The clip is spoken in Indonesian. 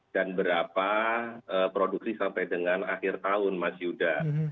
dan berapa produksi sampai dengan akhir tahun mas yuda